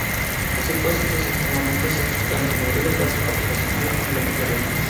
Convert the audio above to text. Así pues, este sistema mixto se estructura en tres niveles: básico, profesional y complementario.